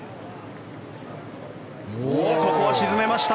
ここは沈めました。